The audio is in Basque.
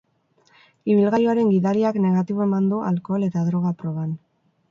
Ibilgailuaren gidariak negatibo eman du alkohol eta droga proban.